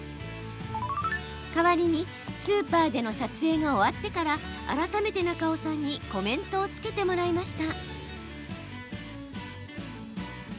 代わりにスーパーでの撮影が終わってから改めて中尾さんにコメントをつけてもらいました。